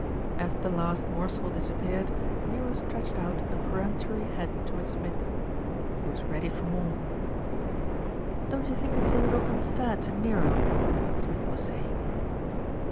As the last morsel disappeared, Nero stretched out a peremptory head towards Smith. He was ready for more. "Don't you think it's a little unfair to Nero?" Smith was saying.